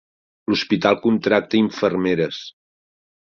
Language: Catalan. L'hospital contracta infermeres.